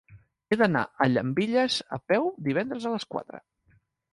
He d'anar a Llambilles a peu divendres a les quatre.